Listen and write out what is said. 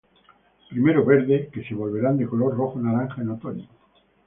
Primero verde, que se volverán de color rojo-naranja en otoño.